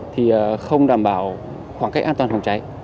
thì không đảm bảo khoảng cách an toàn phòng cháy